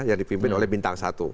yang dipimpin oleh bintang satu